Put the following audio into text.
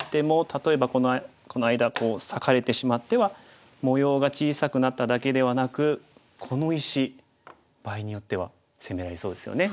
例えばこの間こう裂かれてしまっては模様が小さくなっただけではなくこの石場合によっては攻められそうですよね。